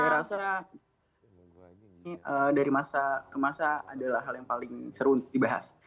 saya rasa dari masa ke masa adalah hal yang paling seru untuk dibahas